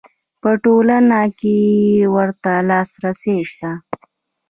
په ټوله نړۍ کې ورته لاسرسی شته.